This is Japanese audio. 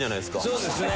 そうですね。